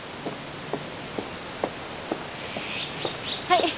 はい。